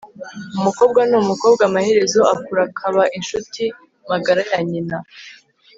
umukobwa ni umukobwa amaherezo akura akaba inshuti magara ya nyina